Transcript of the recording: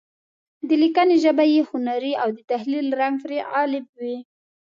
د لیکنې ژبه یې هنري او د تخیل رنګ پرې غالب وي.